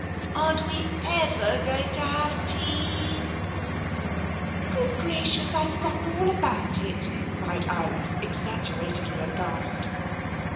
" Aren't we ever going to have tea ?"" Good gracious, I'd forgotten all about it !" cried Iris, exaggeratedly aghast.